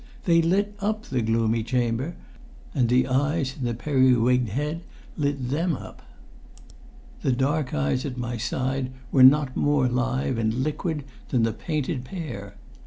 They lit up the gloomy chamber, and the eyes in the periwigged head lit them up. The dark eyes at my side were not more live and liquid than the painted pair.